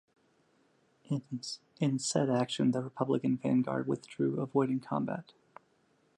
In said action, the Republican vanguard withdrew avoiding combat.